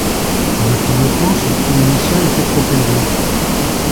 Dans un premier temps, son coût initial était trop élevé.